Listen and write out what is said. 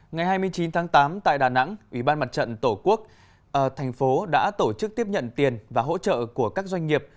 ngày hai mươi chín tháng tám tại đà nẵng ủy ban mặt trận tổ quốc thành phố đã tổ chức tiếp nhận tiền và hỗ trợ của các doanh nghiệp